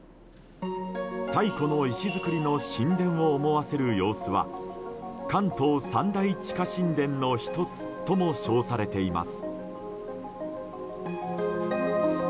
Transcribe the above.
太古の石造りの神殿を思わせる様子は関東三大地下神殿の１つとも称されています。